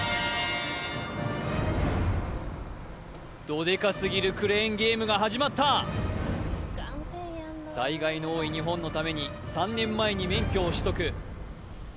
どデカすぎるクレーンゲームが始まった災害の多い日本のために３年前に免許を取得